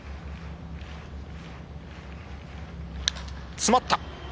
詰まった。